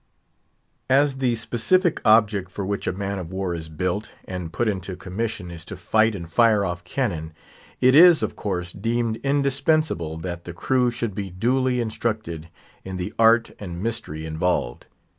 As the specific object for which a man of war is built and put into commission is to fight and fire off cannon, it is, of course, deemed indispensable that the crew should be duly instructed in the art and mystery involved.